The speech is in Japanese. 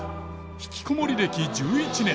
ひきこもり歴１１年。